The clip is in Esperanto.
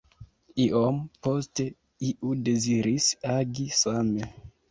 Iom poste iu deziris agi same.